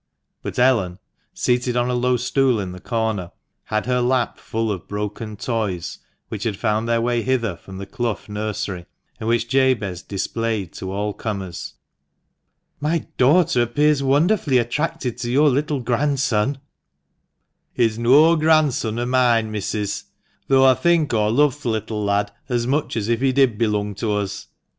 But Ellen, seated on a low stool in the corner, had her lap full of broken toys, which had found their way hither from the C lough nursery, and which Jabez displayed to all comers." " My daughter appears wonderfully attracted to your little grandson." " He's noa gran'son o' moine, Missis, though aw think aw love th' little lad as much as if he did belung to us.